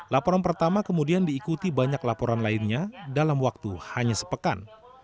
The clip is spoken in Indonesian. laporan pertama kemudian diikuti banyak laporan lainnya dalam waktu hanya sepekan